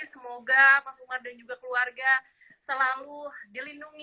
semoga mas umar dan juga keluarga selalu dilindungi